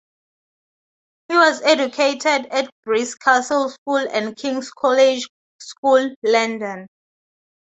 He was educated at Bruce Castle School and King's College School, London.